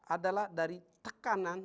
adalah dari tekanan